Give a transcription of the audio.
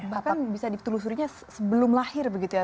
bahkan bisa ditelusurinya sebelum lahir begitu ya